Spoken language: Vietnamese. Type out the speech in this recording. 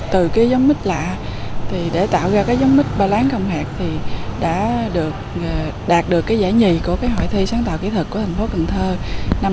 từ cái giống mít lạ để tạo ra cái giống mít ba láng không hạt thì đã đạt được cái giải nhì của cái hội thi sáng tạo kỹ thực của thành phố cần thơ năm hai nghìn một mươi hai nghìn một mươi một